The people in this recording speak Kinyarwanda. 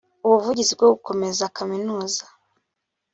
ubuvugizi bwo gukomeza kaminuza